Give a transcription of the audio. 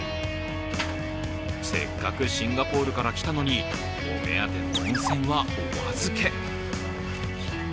せっかくシンガポールから来たのに、お目当ての温泉はお預け。